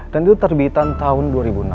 dan itu terbitan tahun dua ribu enam belas